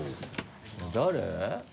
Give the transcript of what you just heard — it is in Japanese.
誰？